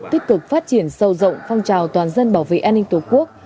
tích cực phát triển sâu rộng phong trào toàn dân bảo vệ an ninh tổ quốc